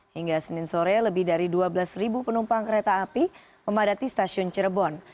hingga senin sore lebih dari dua belas penumpang kereta api memadati stasiun cirebon